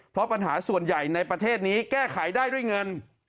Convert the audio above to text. เพราะปัญหาส่วนใหญ่ในประเทศนี้แก้ไขได้ด้วยเงิน